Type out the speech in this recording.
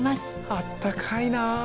あったかいな。